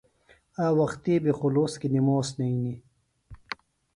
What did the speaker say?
آ وختیۡ بیۡ خُلوص کیۡ نِموس نئینیۡ۔